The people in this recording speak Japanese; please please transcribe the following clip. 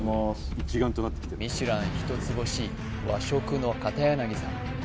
ミシュラン一つ星和食の片柳さん